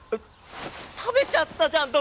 食べちゃったじゃん毒！